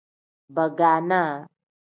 Baaganaa.